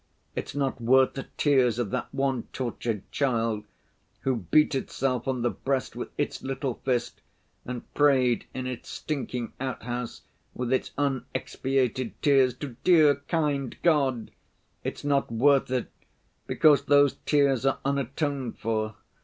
It's not worth the tears of that one tortured child who beat itself on the breast with its little fist and prayed in its stinking outhouse, with its unexpiated tears to 'dear, kind God'! It's not worth it, because those tears are unatoned for.